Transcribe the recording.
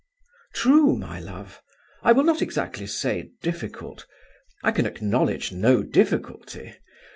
"True, my love. I will not exactly say difficult. I can acknowledge no difficulty.